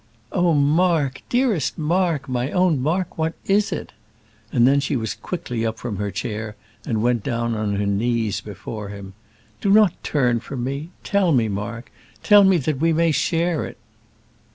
"Oh, Mark, dearest Mark, my own Mark! what is it?" and then she was quickly up from her chair, and went down on her knees before him. "Do not turn from me. Tell me, Mark! tell me, that we may share it."